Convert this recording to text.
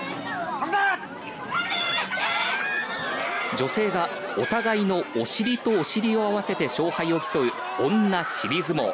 女性がお互いのお尻とお尻を合わせて勝敗を競う女尻相撲。